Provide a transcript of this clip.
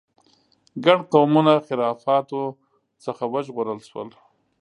ګڼ قومونه خرافاتو څخه وژغورل شول.